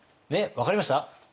分かりました？